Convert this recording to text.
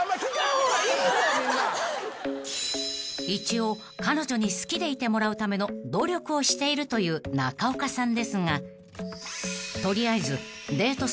［一応彼女に好きでいてもらうための努力をしているという中岡さんですが取りあえずデート